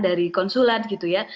dari konsulat gitu ya